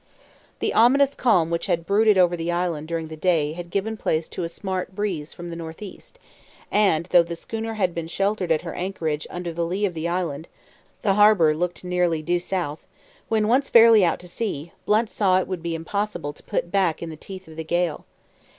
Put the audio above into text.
The ominous calm which had brooded over the island during the day had given place to a smart breeze from the north east, and though the schooner had been sheltered at her anchorage under the lee of the island (the "harbour" looked nearly due south), when once fairly out to sea, Blunt saw it would be impossible to put back in the teeth of the gale.